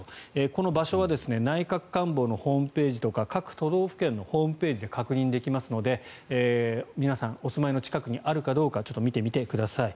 この場所は内閣官房のホームページとか各都道府県のホームページで確認できますので皆さんお住まいの近くにあるかどうかちょっと見てみてください。